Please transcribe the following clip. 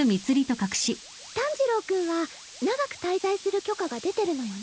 炭治郎君は長く滞在する許可が出てるのよね？